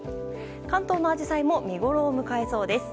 関東のアジサイも見ごろを迎えそうです。